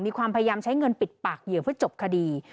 มีความพยายามใช้เงินปิดปากเหยื่อเพื่อจบคดี